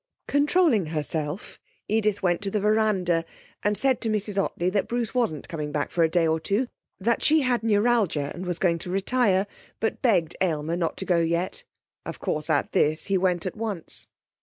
Controlling herself, Edith went to the veranda and said to Mrs Ottley that Bruce wasn't coming back for a day or two, that she had neuralgia and was going to retire, but begged Aylmer not to go yet. Of course at this he went at once.